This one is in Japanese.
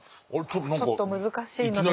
ちょっと難しいので。